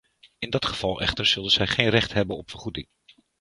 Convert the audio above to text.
In dat geval echter zullen zij geen recht hebben op vergoeding.